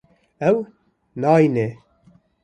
Ew nayîne.